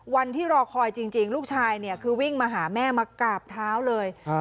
วันที่รอคอยจริงลูกชายคือวิ่งมาหาแม่มากราบเท้าเลย